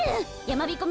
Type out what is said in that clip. やまびこ